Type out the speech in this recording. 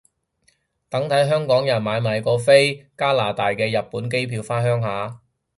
等睇香港人買貴過飛加拿大嘅日本機票返鄉下